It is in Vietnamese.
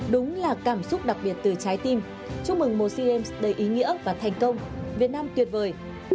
đúng là cảm xúc đặc biệt từ trái tim chúc mừng một sea games đầy ý nghĩa và thành công việt nam tuyệt vời